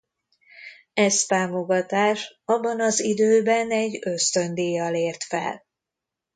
Ez támogatás abban az időben egy ösztöndíjjal ért fel.